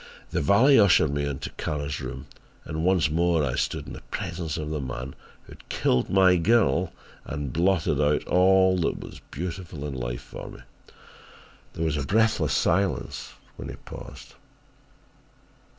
The valet ushered me into Kara's room and once more I stood in the presence of the man who had killed my girl and blotted out all that was beautiful in life for me." There was a breathless silence when he paused.